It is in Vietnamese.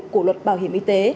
của luật bảo hiểm y tế